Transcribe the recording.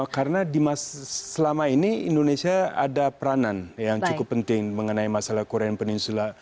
karena selama ini indonesia ada peranan yang cukup penting mengenai masalah korean peninsula